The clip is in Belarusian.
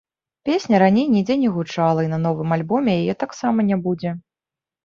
Песня раней нідзе не гучала і на новым альбоме яе таксама не будзе.